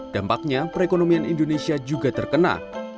dampaknya perekonomian indonesia juga terkena